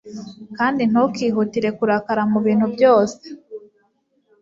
Kandi ntukihutire kurakara mu bintu byose